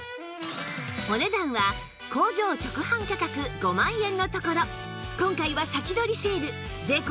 お値段は工場直販価格５万円のところ今回は先取りセール税込